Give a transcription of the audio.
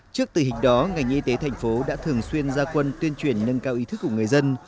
trước tình hình đó ngành y tế thành phố đã thường xuyên ra quân tuyên truyền nâng cao ý thức của người dân